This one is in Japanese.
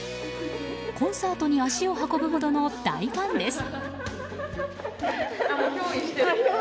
コンサートに足を運ぶほどの大ファンです。